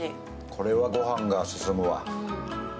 これはご飯が進むわ。